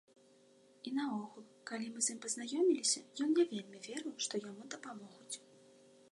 І наогул, калі мы з ім пазнаёміліся, ён не вельмі верыў, што яму дапамогуць.